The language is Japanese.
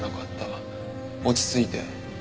落ち着いて。